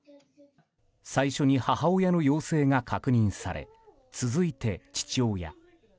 最初に母親の陽性が確認され続いて父親。